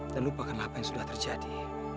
dan lupakanlah apa yang sudah terjadi